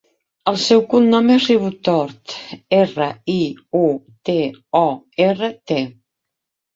El seu cognom és Riutort: erra, i, u, te, o, erra, te.